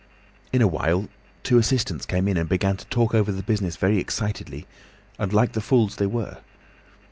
"In a little while two assistants came in and began to talk over the business very excitedly and like the fools they were.